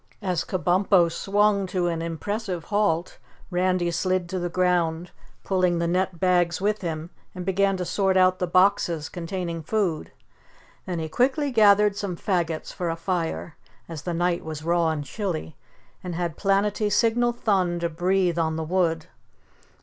As Kabumpo swung to an impressive halt, Randy slid to the ground, pulling the net bags with him, and began to sort out the boxes containing food. Then he quickly gathered some faggots for a fire, as the night was raw and chilly, and had Planetty signal Thun to breathe on the wood.